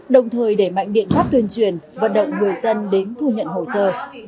đồng thời đẩy mạnh biện pháp tuyên truyền vận động người dân đến thu nhận hồ sơ